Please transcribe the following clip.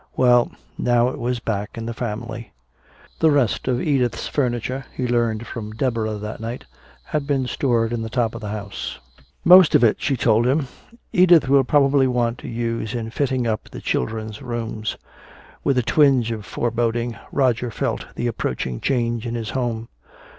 Well, now it was back in the family. The rest of Edith's furniture, he learned from Deborah that night, had been stored in the top of the house. "Most of it," she told him, "Edith will probably want to use in fitting up the children's rooms." With a twinge of foreboding, Roger felt the approaching change in his home.